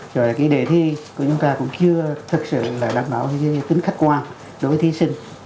rồi đề thi của chúng ta cũng chưa thật sự đảm bảo tính khách quan đối với thí sinh